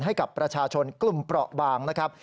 ให้กับประชาชนกลุ่มเปราะบางนะครับ